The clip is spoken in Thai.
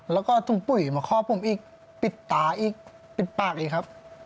แล้วก็ถุงปุ๋ยมาคอผมอีกปิดตาอีกปิดปากอีกครับ